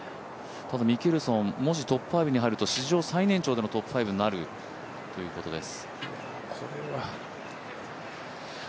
ミケルソンもしトップ５に入ると史上最年長でのトップ５ということになる。